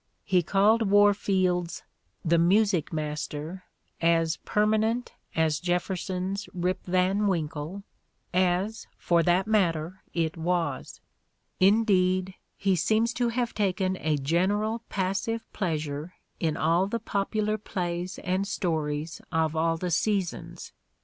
He called War field's "The Music Master" as "permanent" as Jeffer son's "Rip Van Winkle," as, for that matter, it was: indeed, he seems to have taken a general passive pleasure in all the popular plays and stories of all the seasons.